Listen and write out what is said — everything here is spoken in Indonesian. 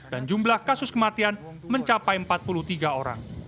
dan jumlah kasus kematian mencapai empat puluh tiga orang